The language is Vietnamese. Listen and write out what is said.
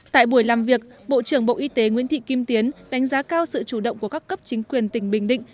tại buổi làm việc bộ trưởng bộ y tế nguyễn thị kim tiến đánh giá cao sự chủ động của các cấp chính quyền tỉnh bình định